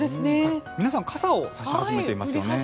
皆さん傘を差し始めていますね。